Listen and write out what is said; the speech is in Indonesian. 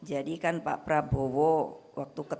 jadi kan pak prabowo waktu ketemu